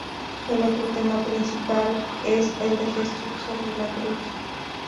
El otro tema principal es el de Jesús sobre la cruz.